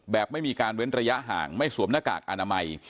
ไม่มีการเว้นระยะห่างไม่สวมหน้ากากอนามัย